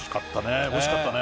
おいしかったね！